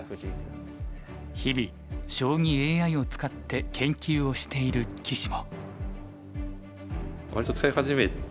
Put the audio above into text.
日々将棋ＡＩを使って研究をしている棋士も。